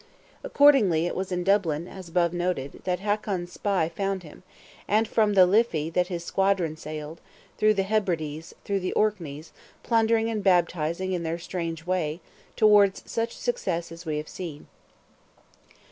Accordingly it was in Dublin, as above noted, that Hakon's spy found him; and from the Liffey that his squadron sailed, through the Hebrides, through the Orkneys, plundering and baptizing in their strange way, towards such success as we have seen.